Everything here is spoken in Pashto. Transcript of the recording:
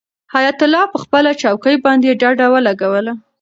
حیات الله په خپله چوکۍ باندې ډډه ولګوله.